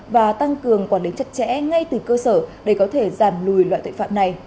và tăng cường quản lý chặt chẽ ngay từ cơ sở để có thể giảm lùi loại tội phạm này